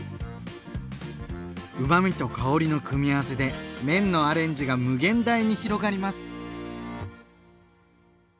うまみと香りの組み合わせで麺のアレンジが無限大に広がります！